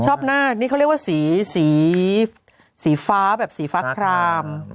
หน้านี่เขาเรียกว่าสีสีฟ้าแบบสีฟ้าคราม